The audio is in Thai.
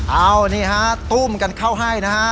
เอานี่ฮะตุ้มกันเข้าให้นะฮะ